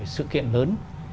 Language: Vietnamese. sự kiện lớn